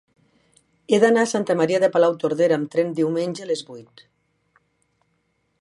He d'anar a Santa Maria de Palautordera amb tren diumenge a les vuit.